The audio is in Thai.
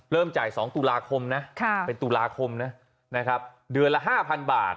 จ่าย๒ตุลาคมนะเป็นตุลาคมนะครับเดือนละ๕๐๐บาท